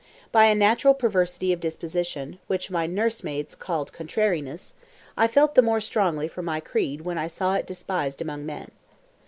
By a natural perversity of disposition, which my nursemaids called contrariness, I felt the more strongly for my creed when I saw it despised among men.